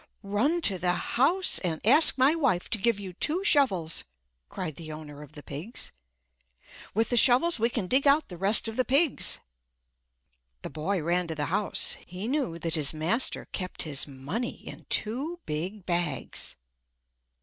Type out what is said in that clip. "Run to the house and ask my wife to give you two shovels!" cried the owner of the pigs. "With the shovels we can dig out the rest of the pigs." The boy ran to the house. He knew that his master kept his money in two big bags.